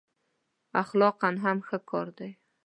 اخلاقأ هم ښه کار دی.